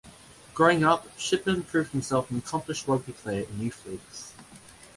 Growing up, Shipman proved himself an accomplished rugby player in youth leagues.